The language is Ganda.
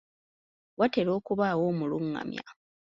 Watera okubaawo omulungamya.